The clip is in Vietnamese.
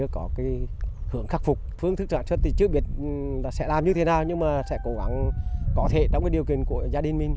chứ biết sẽ làm như thế nào nhưng mà sẽ cố gắng có thể trong điều kiện của gia đình mình